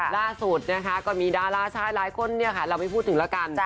ล่าสุดก็มีดาราชายหลายคนเราไม่พูดถึงแล้วกัน